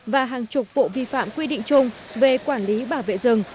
và hàng chục vụ vi phạm quy định chung về quản lý bảo vệ rừng